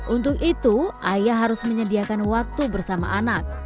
untuk itu ayah harus menyediakan waktu bersama anak